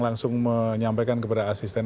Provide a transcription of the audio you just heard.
langsung menyampaikan kepada asisten